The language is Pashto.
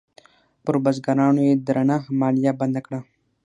پر بزګرانو یې درنه مالیه بنده کړه.